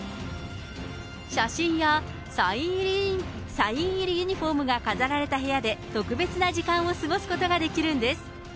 写真やサイン入りユニホームが飾られた部屋で、特別な時間を過ごすことができるんです。